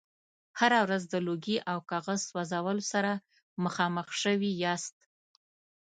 هره ورځ د لرګي او کاغذ سوځولو سره مخامخ شوي یاست.